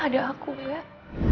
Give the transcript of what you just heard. ada aku nget